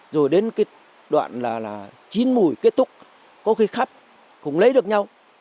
rồi đến cái đoạn là chín mũi kết thúc có khi khập cũng lấy được nhau